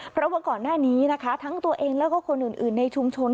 เพราะว่าก่อนหน้านี้นะคะทั้งตัวเองแล้วก็คนอื่นในชุมชน